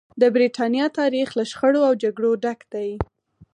د برېټانیا تاریخ له شخړو او جګړو ډک دی.